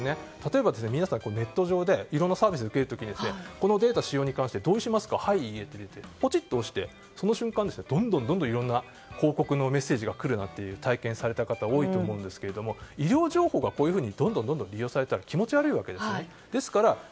例えば、皆さんネット上でいろんなサービスを受けるときこのデータ使用に関してはい、いいえとかポチっと押してその瞬間どんどんいろんな広告のメッセージが来るという体験をされた方も多いと思いますが医療情報がどんどん利用されたら気持ち悪いわけですよね。